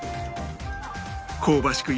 香ばしく